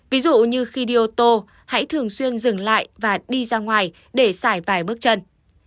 ví dụ như khi đi ô tô hãy thường xuyên dừng lại và đi ra ngoài để xài vài bước chân